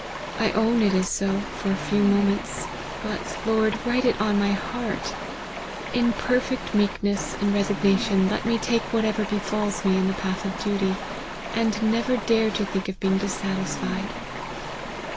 I own it is so, for a few moments : but, Lord, write it on my heart! In perfect meekness and resignation let K 110 LIFE OF HENRY MARTYN. me take whatever befalls me in the path of duty, and never dare to think of being dissatisfied."